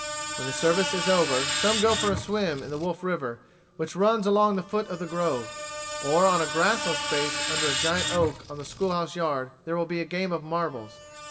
When the service is over, some go for a swim in the Wolf River which runs along the foot of the grove, or on a grassless space under a giant oak on the schoolhouse yard there will be a game of marbles.